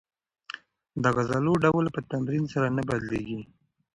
د عضلو ډول په تمرین سره نه بدلېږي.